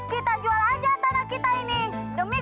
kita jual aja tanah kita ini demi